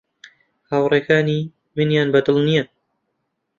هاوڕێکانی منیان بە دڵ نییە.